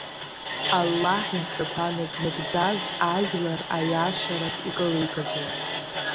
Аллаҳ идҵақәа назмыгӡаз ажәлар, аиашарахь икылигаӡом.